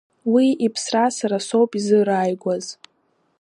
Уи иԥсра сара соуп изырааигәаз…